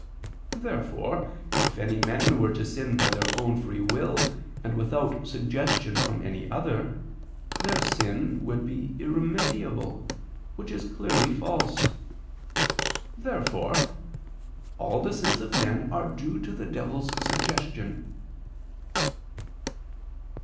Therefore, if any men were to sin of their own free will and without suggestion from any other, their sin would be irremediable: which is clearly false. Therefore all the sins of men are due to the devil's suggestion.